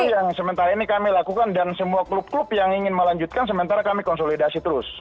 itu yang sementara ini kami lakukan dan semua klub klub yang ingin melanjutkan sementara kami konsolidasi terus